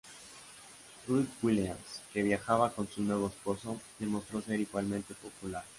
Ruth Williams, que viajaba con su nuevo esposo, demostró ser igualmente popular.